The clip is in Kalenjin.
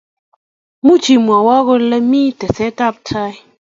Much imwowoo kole me tesetai?